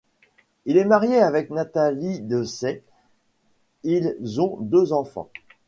Il est marié avec Natalie Dessay, ils ont deux enfants.